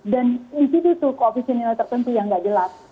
dan di situ tuh koefisien yang tertentu yang gak jelas